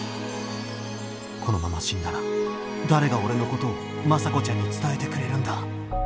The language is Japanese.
このまま死んだら誰が俺のことを眞佐子ちゃんに伝えてくれるんだ。